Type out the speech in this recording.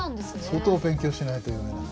相当勉強しないと読めない。